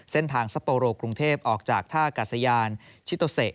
เส้นทางซัปโปรโลถึงกรุงเทพฯออกจากท่ากัศยานชิโตเซ